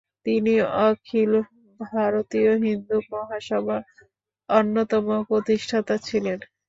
তিনি অখিল ভারতীয় হিন্দু মহাসভা অন্যতম প্রতিষ্ঠাতা ছিলেন।